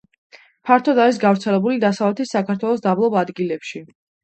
ფართოდ არის გავრცელებული დასავლეთი საქართველოს დაბლობ ადგილებში.